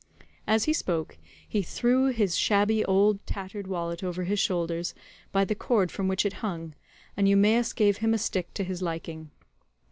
As he spoke he threw his shabby old tattered wallet over his shoulders, by the cord from which it hung, and Eumaeus gave him a stick to his liking.